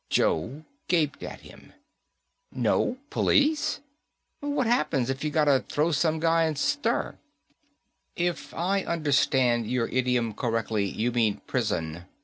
Joe gaped at him. "No police! What happens if you gotta throw some guy in stir?" "If I understand your idiom correctly, you mean prison.